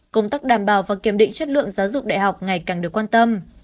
công tác đảm bảo và kiểm định chất lượng giáo dục đại học ngày càng được quan tâm